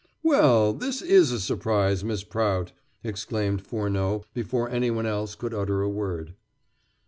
"Well, this is a surprise, Miss Prout," exclaimed Furneaux before anyone else could utter a word.